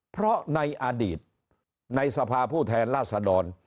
เพราะในอดีตในสภาผู้แทนราษดร